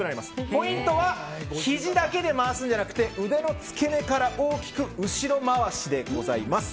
ポイントはひじだけで回すんじゃなくて腕の付け根から大きく後ろ回しでございます。